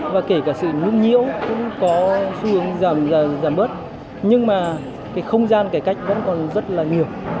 và kể cả sự nhũng nhiễu cũng có xu hướng giảm bớt nhưng mà cái không gian cải cách vẫn còn rất là nhiều